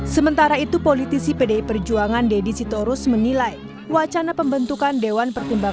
sementara itu politisi pdi perjuangan deddy sitorus menilai wacana pembentukan dewan pertimbangan